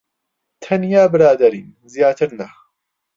تەنیا برادەرین. زیاتر نا.